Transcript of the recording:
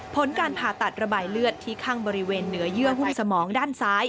ผลการผ่าตัดระบายเลือดที่ข้างบริเวณเหนือเยื่อหุ้มสมองด้านซ้าย